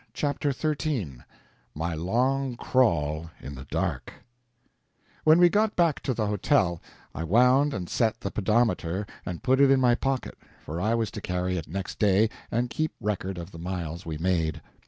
CHAPTER XIII [My Long Crawl in the Dark] When we got back to the hotel I wound and set the pedometer and put it in my pocket, for I was to carry it next day and keep record of the miles we made.